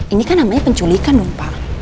ini kan namanya penculikan dong pak